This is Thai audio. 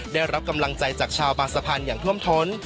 ได้รับกำลังใจจากชาวบางสะพานอย่างท่วมท้น